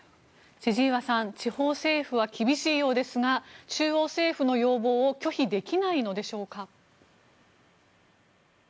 千々岩さん、地方政府は厳しいようですが中央政府の要望を拒否できないのでしょうか。